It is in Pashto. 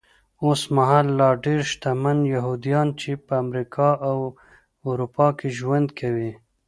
اوسمهال لا ډېر شتمن یهوديان چې په امریکا او اروپا کې ژوند کوي.